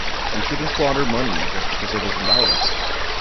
We shouldn't squander money just because it isn't ours.